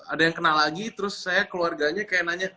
ada yang kenal lagi terus saya keluarganya kayak nanya